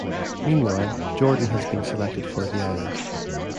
Meanwhile, Jordan has been selected for the island.